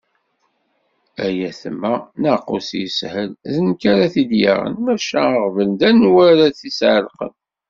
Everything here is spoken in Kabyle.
"Ay ayetma, naqqus yeshel, d nekk ara t-id-yaɣen, maca aɣbel d anwa ad as-t-iεellqen."